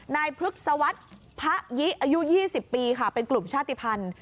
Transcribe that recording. พฤกษวรรษพะยิอายุ๒๐ปีค่ะเป็นกลุ่มชาติภัณฑ์